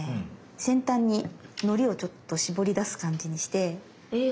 先端にのりをちょっと絞り出す感じにしてで。